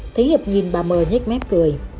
thấy hiệp nhìn bà m nhét mép cười